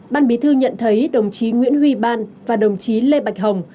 ban bí thư nhận thấy đồng chí nguyễn huy ban và đồng chí lê bạch hồng